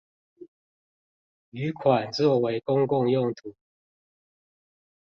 餘款作為公共用途